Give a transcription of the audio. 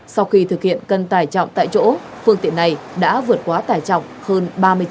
sau khi thực hiện cân tải trọng tại chỗ phương tiện này đã vượt quá tải trọng hơn ba mươi chín